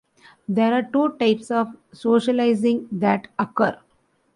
There are two types of socializing that occur.